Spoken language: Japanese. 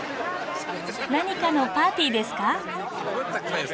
何かのパーティーですか？